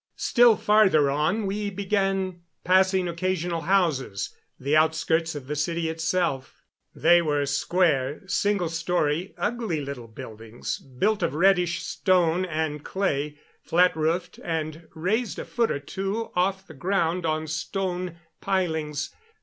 Still farther on we began passing occasional houses the outskirts of the city itself. They were square, single story, ugly little buildings, built of reddish stone and clay, flat roofed, and raised a foot or two off the ground on stone pilings.